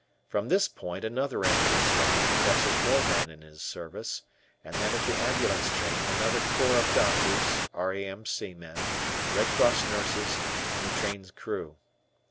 From this point another ambulance ride impresses more men in his service, and then at the ambulance train, another corps of doctors, R.A.M.C. men, Red Cross nurses, and the train's crew.